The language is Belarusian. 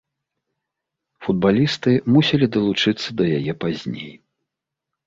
Футбалісты мусілі далучыцца да яе пазней.